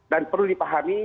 dan perlu dipahami